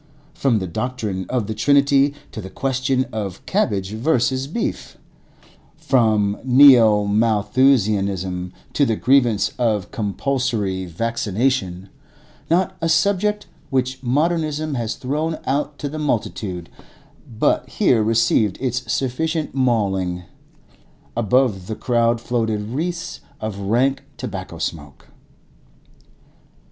From the doctrine of the Trinity to the question of cabbage versus beef; from Neo Malthusianism to the grievance of compulsory vaccination; not a subject which modernism has thrown out to the multitude but here received its sufficient mauling. Above the crowd floated wreaths of rank tobacco smoke.